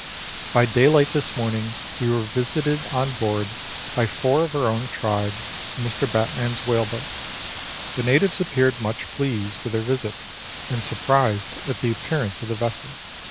By daylight this morning we were visited on board by four of our own tribe, in Mr. Batman's whale boat. The natives appeared much pleased with their visit and surprised at the appearance of the vessel.